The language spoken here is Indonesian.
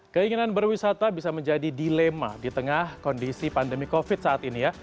keinginan berwisata bisa menjadi dilema di tengah kondisi pandemi covid saat ini ya